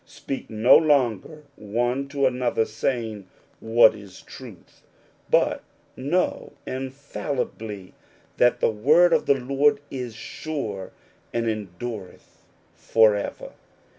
Speak no longer one to another, saying, "What is truth ?" but know infallibly that the word of the Lord is sure, and endureth for ever.